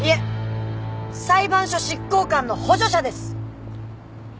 裁判所執行官の補助者です！